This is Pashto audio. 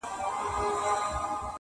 کبرجن سو ګمراهي ځني کيدله